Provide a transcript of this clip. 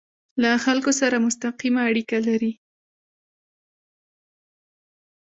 له خلکو سره مستقیمه اړیکه لري.